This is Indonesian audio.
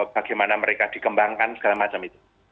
bagaimana mereka dikembangkan segala macam itu